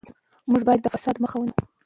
موږ باید د فساد مخه ونیسو.